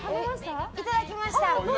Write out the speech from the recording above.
いただきました。